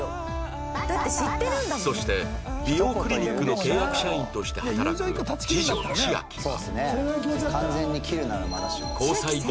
そして美容クリニックの契約社員として働く次女の千秋は